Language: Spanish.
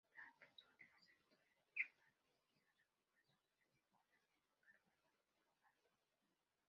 McGraw sonrió, aceptó el regalo y siguió sus pasos hacia home cargando el elefante.